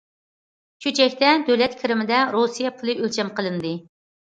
چۆچەكتە دۆلەت كىرىمىدە رۇسىيە پۇلى ئۆلچەم قىلىندى.